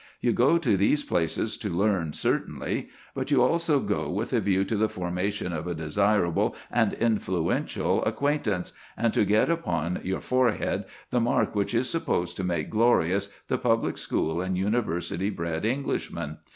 You go to these places to learn, certainly; but you also go with a view to the formation of a desirable and influential acquaintance, and to get upon your forehead the mark which is supposed to make glorious the public school and university bred Englishman.